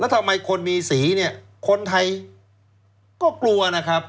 แล้วทำไมคนมีสีคนไทยก็กลัวนะครับ